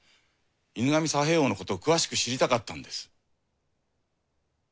犬神佐兵衛翁のことを詳しく知りたかったのです。